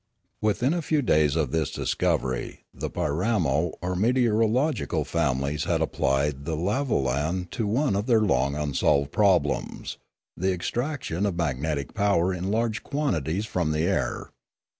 Within a few days of this discovery the Piramo or meteorological families had applied the lavolan to one 316 Limanora of their long unsolved problems, the extraction of mag netic power in large quantities from the air.